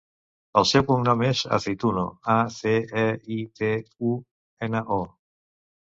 El seu cognom és Aceituno: a, ce, e, i, te, u, ena, o.